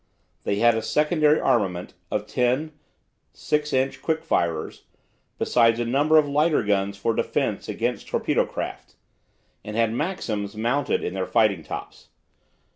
They had a secondary armament of ten 6 inch quick firers, besides a number of lighter guns for defence against torpedo craft, and had maxims mounted in their fighting tops.